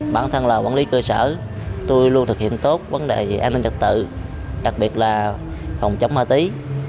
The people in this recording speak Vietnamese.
bản thân là quản lý cơ sở tôi luôn thực hiện tốt vấn đề về an ninh trật tự đặc biệt là phòng chống ma túy